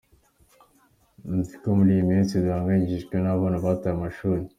Muzi ko muri iyi minsi duhangayikishijwe n’abana bataye amashuri.